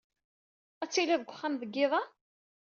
Ad tiliḍ deg wexxam deg yiḍ-a?